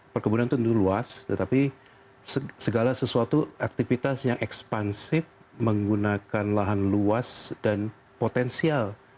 perkebunan tentu luas tetapi segala sesuatu aktivitas yang ekspansif menggunakan lahan luas dan potensial